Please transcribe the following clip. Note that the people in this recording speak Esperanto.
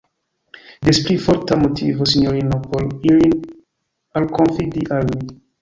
Des pli forta motivo, sinjorino, por ilin alkonfidi al mi.